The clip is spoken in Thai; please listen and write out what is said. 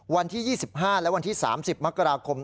วันที่๒๕และวันที่๓๐มกราคม